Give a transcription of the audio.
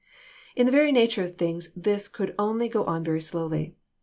In the nature of things this could only go on very slowly.